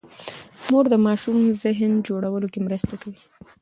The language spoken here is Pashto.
مور د ماشوم ذهن جوړولو کې مرسته کوي.